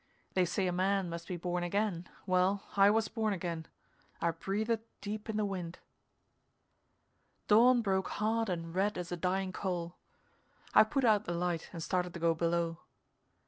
They say a man must be born again. Well, I was born again. I breathed deep in the wind. Dawn broke hard and red as a dying coal. I put out the light and started to go below.